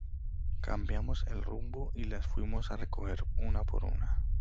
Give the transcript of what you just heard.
cambiamos el rumbo y las fuimos a recoger una por una